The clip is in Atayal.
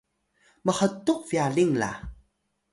mhtux byaling la